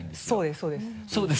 そうですそうです。